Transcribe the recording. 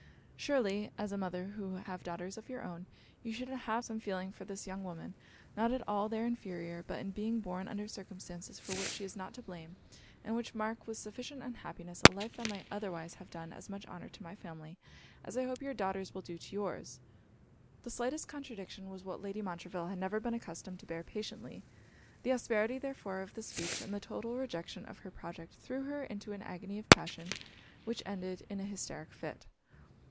Surely, as a mother who have daughters of your own, you should have some feeling for this young woman; not at all their inferior, but in being born under circumstances for which she is not to blame, and which mark with sufficient unhappiness a life that might otherwise have done as much honour to my family as I hope your daughters will do to your's.' The slightest contradiction was what Lady Montreville had never been accustomed to bear patiently. The asperity therefore of this speech, and the total rejection of her project, threw her into an agony of passion which ended in an hysteric fit.